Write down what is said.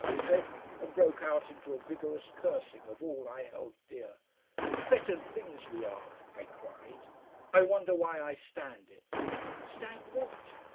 I said, and broke out into a vigorous cursing of all I held dear. "Fettered things we are!" I cried. "I wonder why I stand it!" "Stand what?"